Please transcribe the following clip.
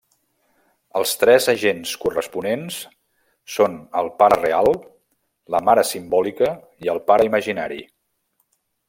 Els tres agents corresponents són el pare real, la mare simbòlica i el pare imaginari.